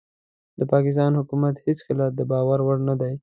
د پاکستان حکومت هيڅکله دباور وړ نه دي